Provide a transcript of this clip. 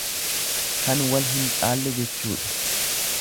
Kan wal hin caalle jechuudha.